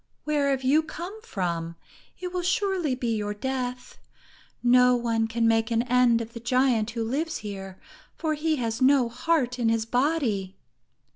"Where have you come from? It will surely be your death! No one can make an end of the giant who lives here, for he has no heart in his body."